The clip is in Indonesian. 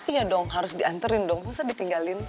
iya dong harus di anterin dong masa ditinggalin